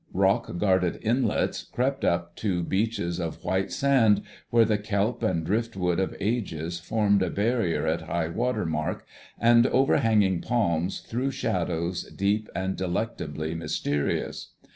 Rock guarded inlets crept up to beaches of white sand where the kelp and drift wood of ages formed a barrier at high water mark, and overhanging palms threw shadows deep and delectably mysterious.